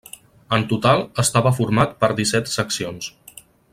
En total estava format per disset seccions.